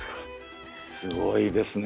すごいですね。